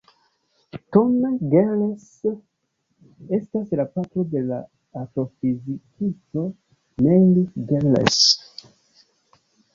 Tom Gehrels estas la patro de la astrofizikisto Neil Gehrels.